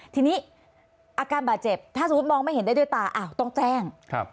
ทีนี้อาการบาดเจ็บถ้าสมมุติมองไม่เห็นได้ด้วยตาอ้าวต้องแจ้ง